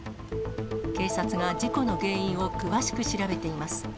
警察が事故の原因を詳しく調べています。